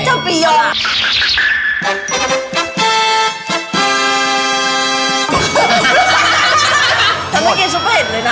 ฉันเมื่อกี้ฉันไม่เห็นเลยนะ